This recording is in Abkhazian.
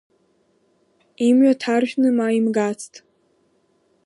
Имҩа ҭаршәны ма имгацт.